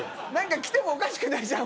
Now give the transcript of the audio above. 来てもおかしくないじゃん